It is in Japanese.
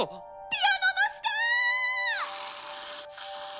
ピアノの下！